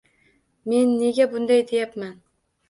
Men nega bunday deyapman?